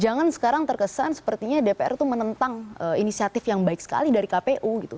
jangan sekarang terkesan sepertinya dpr itu menentang inisiatif yang baik sekali dari kpu gitu